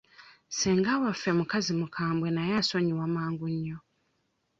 Ssenga waffe mukazi mukambwe naye asonyiwa mangu nnyo.